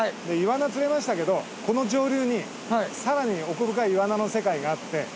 でイワナ釣れましたけどこの上流に更に奥深いイワナの世界があって。